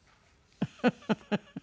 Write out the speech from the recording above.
フフフフ！